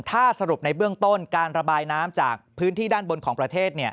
ถ้าสรุปในเบื้องต้นการระบายน้ำจากพื้นที่ด้านบนของประเทศ